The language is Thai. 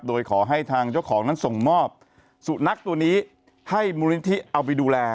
โดยขอให้ทางเจ้าของนั้นส่งมอบสุนัขตัวนี้ให้มูลนิธิเอาไปดูแล